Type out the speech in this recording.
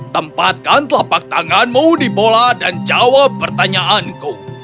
tempatkan telapak tanganmu di bola dan jawab pertanyaanku